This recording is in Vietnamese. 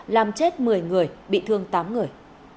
làm chết một mươi người bị thương tám người